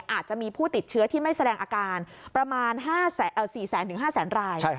อาจจะมีผู้ติดเชื้อที่ไม่แสดงอาการประมาณ๔๐๐๐๕๐๐๐ราย